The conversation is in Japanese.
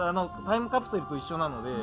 タイムカプセルと一緒なので。